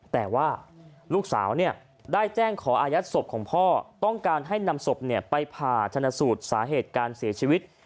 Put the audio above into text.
แต่ว่าลูกสาวได้แจ้งขออายัดศพของพ่อต้องการให้นำศพไปผ่าชนะสูตรสาเหตุการเสียชีวิต